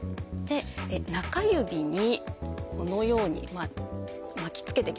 中指にこのように巻きつけていきます。